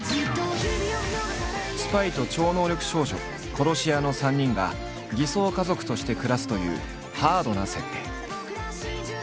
スパイと超能力少女殺し屋の３人が偽装家族として暮らすというハードな設定。